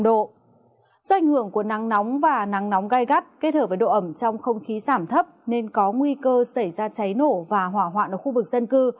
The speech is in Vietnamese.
do ảnh hưởng của nắng nóng và nắng nóng gai gắt kết hợp với độ ẩm trong không khí giảm thấp nên có nguy cơ xảy ra cháy nổ và hỏa hoạn ở khu vực dân cư